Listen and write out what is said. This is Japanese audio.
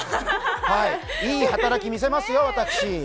いい働き見せますよ、私。